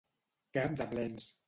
Cap de blens.